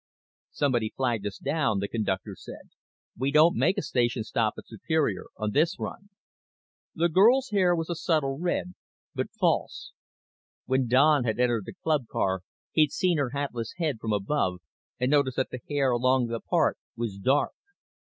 "Somebody flagged us down," the conductor said. "We don't make a station stop at Superior on this run." The girl's hair was a subtle red, but false. When Don had entered the club car he'd seen her hatless head from above and noticed that the hair along the part was dark.